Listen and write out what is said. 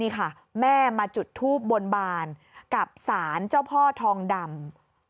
นี่ค่ะแม่มาจุดทูบบนบานกับสารเจ้าพ่อทองดำ